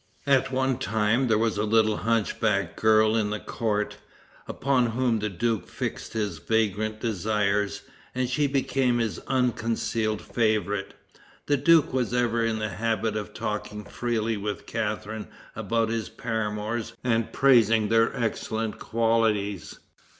At one time there was a little hunchback girl in the court, upon whom the duke fixed his vagrant desires, and she became his unconcealed favorite. The duke was ever in the habit of talking freely with Catharine about his paramours and praising their excellent qualities.